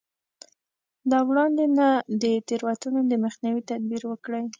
له وړاندې نه د تېروتنو د مخنيوي تدبير وکړي.